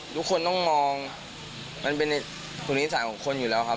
ทุกคนต้องมองมันเป็นคุณนิสัยของคนอยู่แล้วครับ